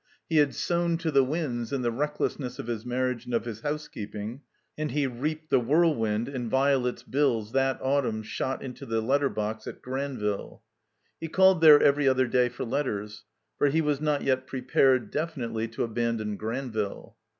He had sown to the winds in the recklessness of his marriage and of his housekeeping, and he reaped the whirlwind in Vio let's bills that autumn shot into the letter box at Granville. He called there every other day for letters; for he was not yet prepared, definitely, to abandon Granville.